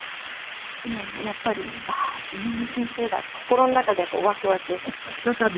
でもやっぱりああー井上先生だって心の中ではワクワクしながら。